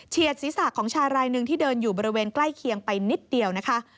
ศีรษะของชายรายหนึ่งที่เดินอยู่บริเวณใกล้เคียงไปนิดเดียวนะคะ